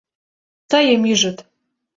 — Тыйым ӱжыт!